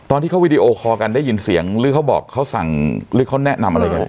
ตอนที่เขาวีดีโอคอลกันได้ยินเสียงหรือเขาบอกเขาสั่งหรือเขาแนะนำอะไรกัน